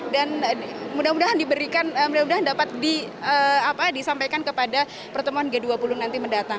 dan mudah mudahan diberikan mudah mudahan dapat disampaikan kepada pertemuan g dua puluh